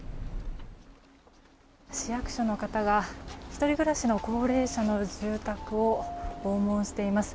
市役所の方が１人暮らしの高齢者の住宅を訪問しています。